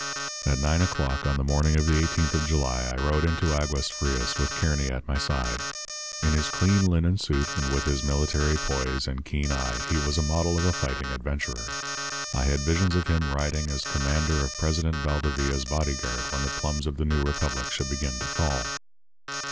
"At nine o'clock on the morning of the eighteenth of July I rode into Aguas Frias with Kearny at my side. In his clean linen suit and with his military poise and keen eye he was a model of a fighting adventurer. I had visions of him riding as commander of President Valdevia's body guard when the plums of the new republic should begin to fall.